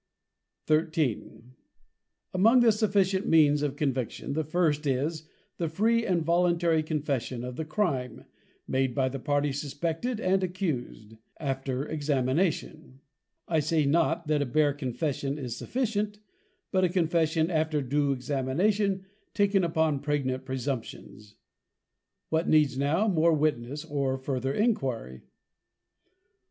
_ XIII. _Among the sufficient means of Conviction, the first is, the free and voluntary Confession of the Crime, made by the party suspected and accused, after Examination. I say not, that a bare confession is sufficient, but a Confession after due Examination, taken upon pregnant presumptions. What needs now more witness or further Enquiry?_ XIV.